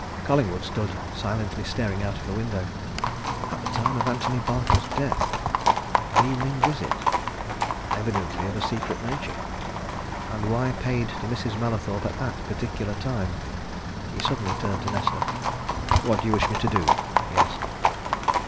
Collingwood stood silently staring out of the window. At the time of Antony Bartle's death? An evening visit? evidently of a secret nature. And why paid to Mrs. Mallathorpe at that particular time? He suddenly turned to Nesta. "What do you wish me to do?" he asked.